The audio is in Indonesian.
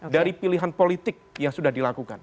dari pilihan politik yang sudah dilakukan